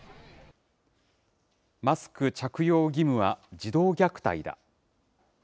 マスク着用義務は児童虐待だ。